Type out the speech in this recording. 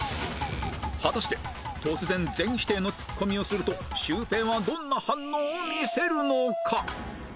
果たして突然全否定のツッコミをするとシュウペイはどんな反応を見せるのか？